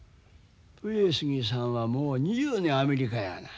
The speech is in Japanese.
上杉さんはもう２０年アメリカや。